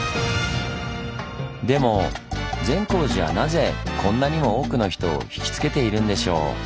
でも善光寺はなぜこんなにも多くの人を引きつけているんでしょう？